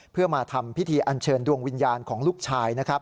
เพื่อมาทำพิธีอันเชิญดวงวิญญาณของลูกชายนะครับ